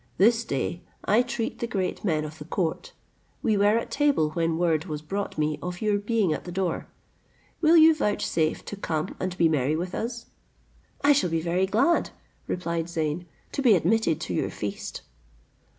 This day I treat the great men of the court; we were at table when word was brought me of your being at the door. Will you vouchsafe to come and be merry with us?" "I shall be very glad," replied Zeyn, "to be admitted to your feast."